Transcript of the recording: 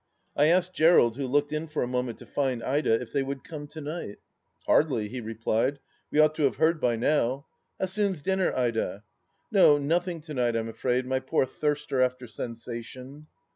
I asked Gerald, who looked in for a moment to find Ida, if they would come to night ?" Hardly," he replied. " We ought to have heard by now. How soon's dinner, Ida ? No, nothing to night, I'm afraid, my poor thirster after sensation